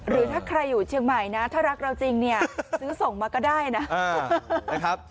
หรือถ้าใครอยู่เชียงใหม่นะถ้ารักเราจริงเนี่ยซื้อส่งมาก็ได้นะ